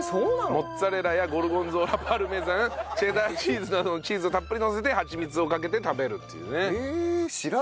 モッツァレラやゴルゴンゾーラパルメザンチェダーチーズなどのチーズをたっぷりのせてはちみつをかけて食べるっていうね。